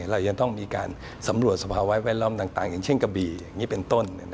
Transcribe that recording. เรายังต้องมีการสำรวจสภาวะแวดล้อมต่างอย่างเช่นกะบี่อย่างนี้เป็นต้น